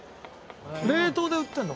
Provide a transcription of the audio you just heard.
冷凍で売ってんの？